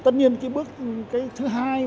tất nhiên bước thứ hai